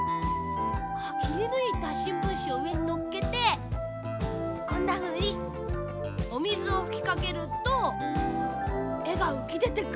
きりぬいたしんぶんしをうえにのっけてこんなふうにおみずをふきかけるとえがうきでてくるの。